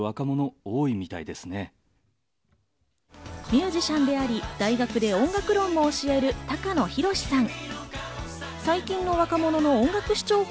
ミュージシャンであり大学で音楽論も教える、高野寛さん。